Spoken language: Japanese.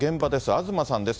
東さんです。